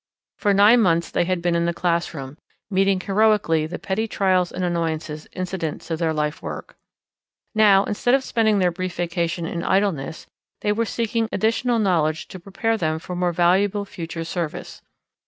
For nine months they had been in the classroom, meeting heroically the petty trials and annoyances incident to their life work. Now, instead of spending their brief vacation in idleness, they were seeking additional knowledge to prepare them for more valuable future service.